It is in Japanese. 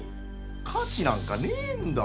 価値なんかねえんだ！